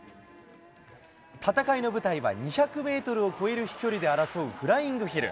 戦いの舞台は、２００メートルを超える飛距離で争うフライングヒル。